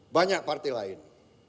banyak partai lain